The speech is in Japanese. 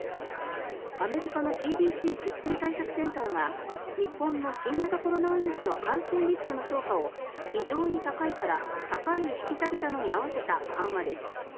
アメリカのＣＤＣ・疾病対策センターが日本の新型コロナウイルスの感染リスクの評価を非常に高いから高いに引き下げに合わせた緩和です。